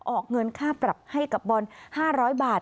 ออกเงินค่าปรับให้กับบอล๕๐๐บาท